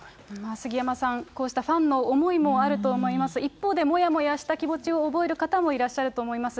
杉山さん、こうしたファンの思いもあると思います、一方で、もやもやした気持ちを覚える方もいらっしゃると思います。